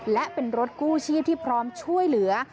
และเป็นรถกู้ชีพที่พร้อมช่วยเหลือ